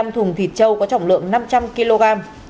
hai mươi năm thùng thịt châu có trọng lượng năm trăm linh kg